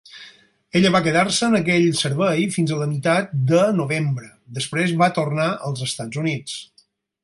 Ella va quedar-se en aquell servei fins a la meitat de Novembre; després va tornar als Estats Units.